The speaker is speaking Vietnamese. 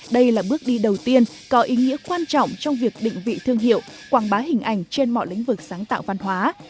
đây là bước đi đầu tiên có ý nghĩa quan trọng trong việc định vị thương hiệu quảng bá hình ảnh trên mọi lĩnh vực sáng tạo văn hóa